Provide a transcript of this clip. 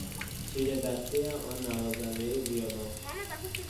چیرهدستی آن نوازندهی ویولن